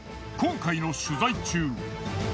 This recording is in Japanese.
今回の取材中。